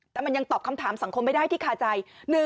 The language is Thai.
แต่มันยังตอบคำถามสังคมไม่ได้ที่คาใจ